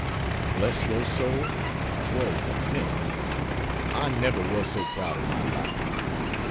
Bless your soul, 'twas immense. I never was so proud in my life.